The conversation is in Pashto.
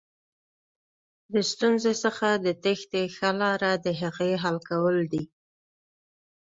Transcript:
د ستونزې څخه د تېښتې ښه لاره دهغې حل کول دي.